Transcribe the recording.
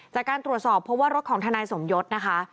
จากการตรวจสอบเพราะว่ารถของทนายสมยศนะคะ